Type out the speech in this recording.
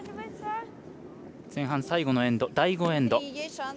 前半最後のエンド、第５エンド。